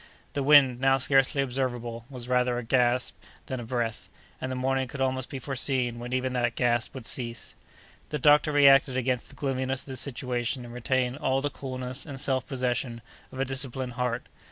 The wind, now scarcely observable, was rather a gasp than a breath, and the morning could almost be foreseen when even that gasp would cease. The doctor reacted against the gloominess of the situation and retained all the coolness and self possession of a disciplined heart.